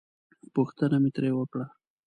پوښتنه مې ترې وکړه.